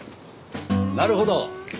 なるほど。